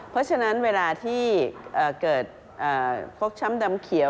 เพราะฉะนั้นเวลาที่เกิดฟกช้ำดำเขียว